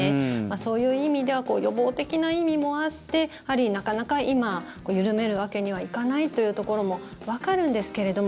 そういう意味では予防的な意味もあってなかなか今、緩めるわけにはいかないというところもわかるんですけれども